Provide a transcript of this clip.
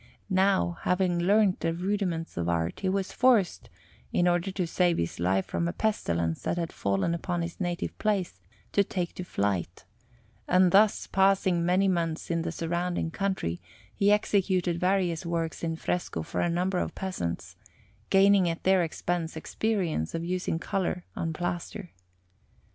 Now, having learnt the rudiments of art, he was forced, in order to save his life from a pestilence that had fallen upon his native place, to take to flight; and thus, passing many months in the surrounding country, he executed various works in fresco for a number of peasants, gaining at their expense experience of using colour on plaster.